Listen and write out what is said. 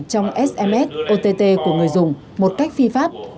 trong sms ott của người dùng một cách phi pháp